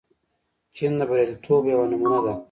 چین د بریالیتوب یوه نمونه ده.